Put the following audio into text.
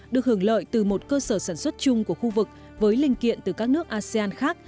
được hưởng lợi từ một cơ sở sản xuất chung của khu vực với linh kiện từ các nước asean khác